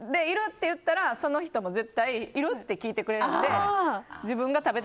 って言ってその人も絶対いる？って聞いてくれるので。